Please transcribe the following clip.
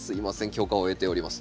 許可を得ております。